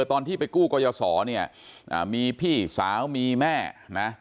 ตอนที่ไปกู้กรยาศรเนี่ยมีพี่สาวมีแม่นะ